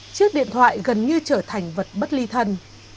chiếc điện thoại gần như trở thành vật bất ly thân